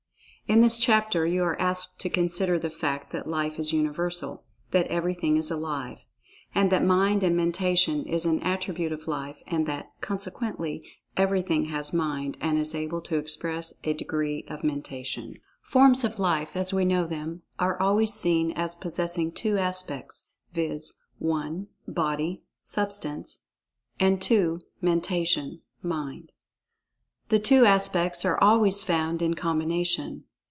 In this chapter, you are asked to consider the fact that Life is Universal—that Everything is Alive. And, that Mind and Mentation is an attribute of Life, and that, consequently, Everything has Mind, and is able to express a degree of Mentation.[Pg 32] Forms of Life, as we know them, are always seen as possessing two aspects, viz., (1) Body (Substance); and (2) Mentation (Mind). The two aspects are always found in combination.